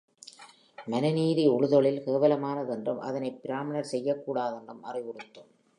மனுநீதி உழுதொழில் கேவலமானதென்றும் அதனைப் பிராமணர் செய்யக் கூடாதென்றும் அறிவுறுத்தும்.